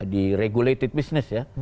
di regulated business ya